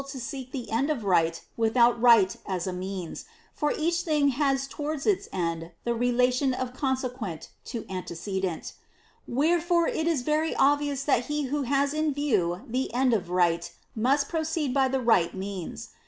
jo,,sggk^ thg., ead ^^ighLjgyjth^ut Right as a means, for e^ch tliinfiL J^^s toward its eiSd tlie relation of consequeut^to antecedent. Wherefore it is very obvious that he who Has in view the end of Right must proceed by the right means.